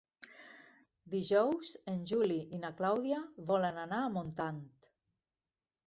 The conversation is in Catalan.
Dijous en Juli i na Clàudia volen anar a Montant.